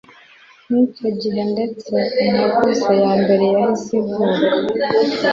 Mu icyo gihe ndetse, integuza ya mbere yahise ivuka,